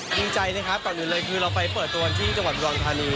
ดีใจนะครับก่อนอื่นเลยคือเราไปเปิดตัวที่จังหวัดอุดรธานี